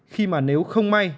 khi mà nếu không may